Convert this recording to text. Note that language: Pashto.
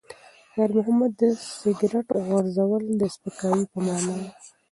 خیر محمد ته د سګرټ غورځول د سپکاوي په مانا و.